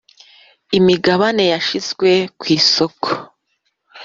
imigabane yashyizwe ku isoko